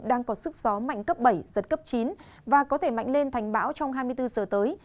đang có sức gió mạnh cấp bảy giật cấp chín và có thể mạnh lên thành bão trong hai mươi bốn giờ tới